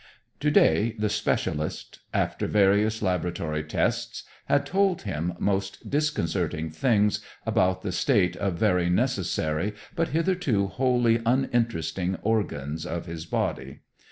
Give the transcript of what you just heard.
Today the specialist, after various laboratory tests, had told him most disconcerting things about the state of very necessary, but hitherto wholly uninteresting, organs of his body.